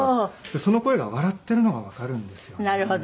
その声が笑ってるのがわかるんですよね。